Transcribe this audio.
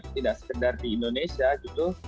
tidak sekedar di indonesia gitu